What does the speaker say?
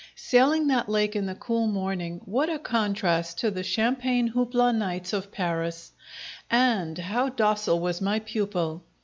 Sailing that lake in the cool morning, what a contrast to the champagne houpla nights of Paris! And how docile was my pupil!